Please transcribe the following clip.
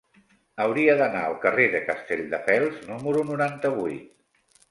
Hauria d'anar al carrer de Castelldefels número noranta-vuit.